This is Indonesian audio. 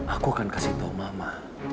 aku akan kasih tahu mama